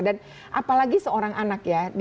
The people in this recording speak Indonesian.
apalagi seorang anak ya